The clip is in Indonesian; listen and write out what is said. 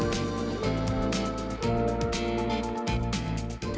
talentika merupakan aplikasi penyalur talent yang bisa diakses melalui smartphone dengan lebih mudah dan praktis